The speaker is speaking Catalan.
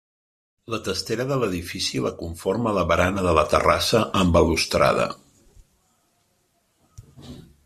La testera de l'edifici la conforma la barana de la terrassa amb balustrada.